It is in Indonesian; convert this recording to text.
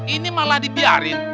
ini malah dibiarin